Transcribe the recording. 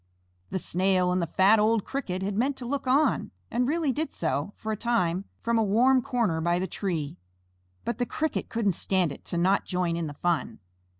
The Snail and the fat, old Cricket had meant to look on, and really did so, for a time, from a warm corner by the tree, but the Cricket couldn't stand it to not join in the fun.